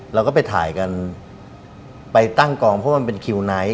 เราก็ไปถ่ายกันไปตั้งกองเพราะว่ามันเป็นคิวไนท์